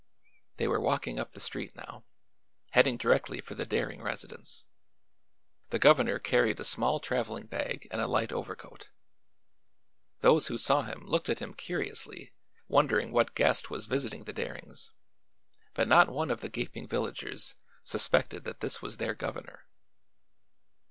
They were walking up the street, now, heading directly for the Daring residence. The governor carried a small traveling bag and a light overcoat. Those who saw him looked at him curiously, wondering what guest was visiting the Darings; but not one of the gaping villagers suspected that this was their governor.